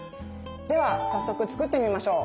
では早速作ってみましょう！